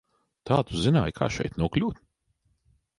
Tā tu zināji, kā šeit nokļūt?